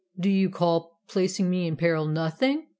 "Do you call placing me in peril nothing?"